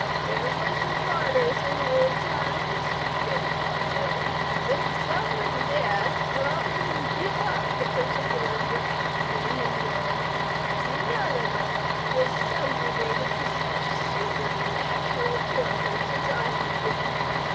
There was martyrs in old times," goes on Bill, "that suffered death rather than give up the particular graft they enjoyed. None of 'em ever was subjugated to such supernatural tortures as I have been.